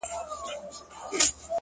• د باوړۍ اوبه مي هر ګړی وچېږي ,